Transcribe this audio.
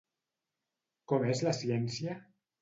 Com és la ciència?